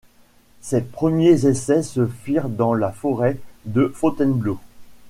Ses premiers essais se firent dans la forêt de Fontainebleau.